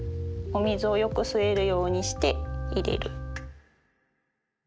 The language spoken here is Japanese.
お水をよく吸えるようにして入れる。